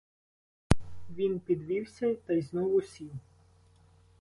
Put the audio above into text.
Він підвівся та й знову сів.